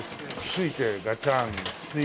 すいてガチャン。